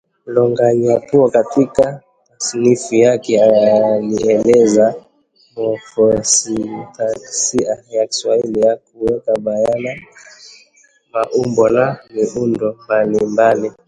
Lonyangapuo katika tasnifu yake alielezea mofosintaksia ya Kiswahili kwa kuweka bayana maumbo na miundo mbalimbali